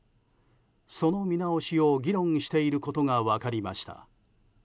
その見直しを議論していることが分かりました。